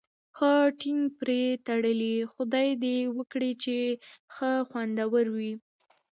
ښه ټینګ پرې تړلی، خدای دې وکړي چې ښه خوندور وي.